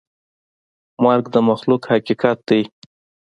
مرګ د مخلوق حقیقت دی.